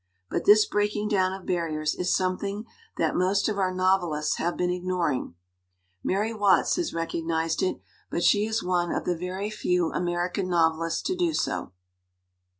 But this breaking down of barriers is some thing that most of our novelists have been ignor ing. Mary Watts has recognized it, but she is one of the very few American novelists to do so."